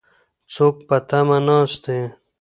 څوک په تمه ناست دي؟